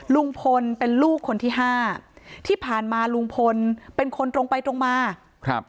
ลุงพลเป็นลูกคนที่ห้าที่ผ่านมาลุงพลเป็นคนตรงไปตรงมาครับ